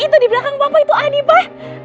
itu di belakang bapak itu adi pak